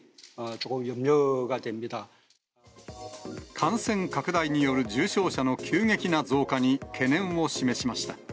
感染拡大による重症者の急激な増加に懸念を示しました。